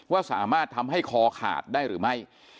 ว่าสามารถทำให้คอขาดได้หรือไม่